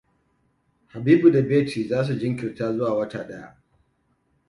Habibu da Betty za su jinkirta zuwa wata daya.